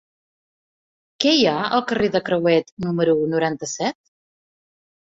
Què hi ha al carrer de Crehuet número noranta-set?